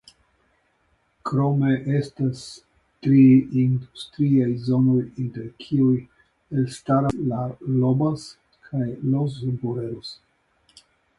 Krome estas tri industriaj zonoj inter kiuj elstaras "Las Lobas" kaj "Los Barreros".